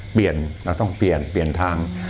เปลี่ยนเราต้องเปลี่ยนทาง